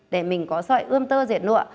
để mình có sợi ươm tơ diệt nụa